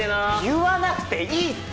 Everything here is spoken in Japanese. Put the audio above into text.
言わなくていいって！